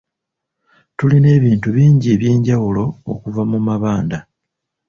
Tulina ebintu bingi eby'enjawulo okuva mu mabanda.